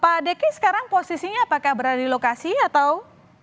pak deki sekarang posisinya apakah berada di lokasi atau